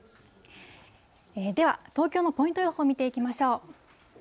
では、東京のポイント予報見ていきましょう。